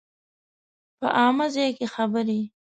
په عامه ځای کې خبرې